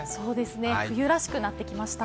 冬らしくなってきました。